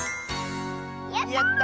やった！